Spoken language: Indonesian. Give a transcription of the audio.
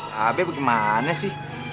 mbak be bagaimana sih